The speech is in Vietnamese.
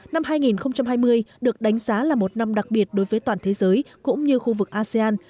năm hai nghìn hai mươi được đánh giá là một năm đặc biệt đối với toàn thế giới cũng như khu vực asean